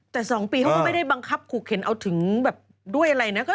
แต่๒ปีเขาก็ไม่ได้บังคับขู่เข็นเอาถึงแบบด้วยอะไรนะ